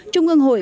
trung ương hội